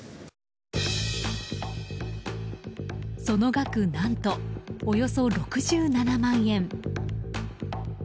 その額何とおよそ６７万円。